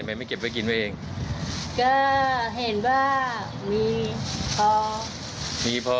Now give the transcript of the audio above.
ไม่เก็บไว้กินไว้เองก็เห็นว่ามีพอมีพอ